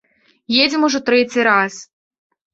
Едзем ужо трэці раз.